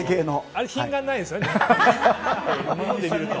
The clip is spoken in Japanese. あれ品がないですよね。